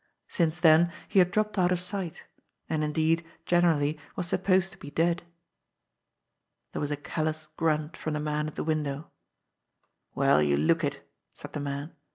Since then he had dropped out of sight; and indeed, generally, was sup posed to be dead. There was a callous grunt from the man at the window. "Well, you look it !" said the man.